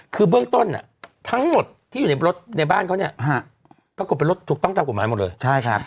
คือเบื้องต้นทั้งหมดที่อยู่ในบ้านเขาปรากฏเป็นลดถูกต้องตามกฏหมายหมดเลย